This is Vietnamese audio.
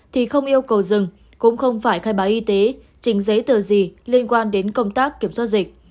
thì không yêu cầu dừng cũng không phải khai báo y tế trình giấy tờ gì liên quan đến công tác kiểm soát dịch